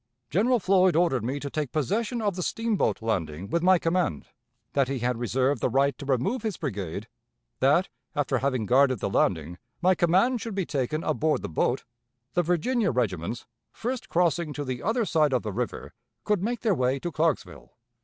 General Floyd ordered me to take possession of the steamboat landing with my command; that he had reserved the right to remove his brigade; that, after having guarded the landing, my command should be taken aboard the boat; the Virginia regiments, first crossing to the other side of the river, could make their way to Clarksville.